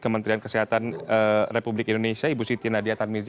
kementerian kesehatan republik indonesia ibu siti nadia tarmizi